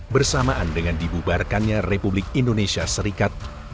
bersamaan dengan dibubarkannya republik indonesia serikat